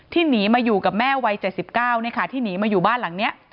หนีมาอยู่กับแม่วัย๗๙ที่หนีมาอยู่บ้านหลังนี้